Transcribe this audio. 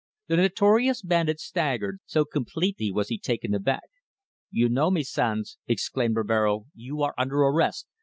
The notorious bandit staggered, so completely was he taken aback. "You know me, Sanz!" exclaimed Rivero. "You are under arrest.